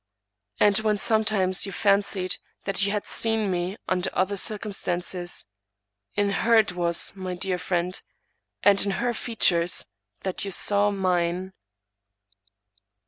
And when sometimes you fancied that you had seen me under other circum stances, in her it was, my dear friend, and in her features that you saw mine.